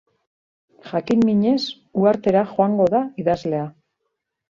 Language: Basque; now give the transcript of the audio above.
Jakin-minez, uhartera joango da idazlea.